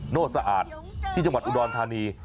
โน้ทสะอาดจังหวัดอุดอลทานี